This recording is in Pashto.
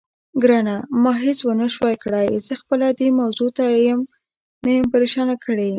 ګرانه، ما هېڅ ونه شوای کړای، زه خپله دې موضوع نه یم پرېشانه کړې.